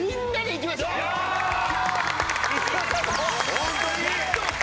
ホントに？